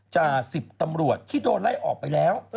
จ่า๑๐ตำรวจที่โดนไล่ออกไปแล้ว